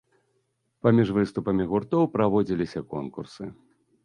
Паміж выступамі гуртоў праводзіліся конкурсы.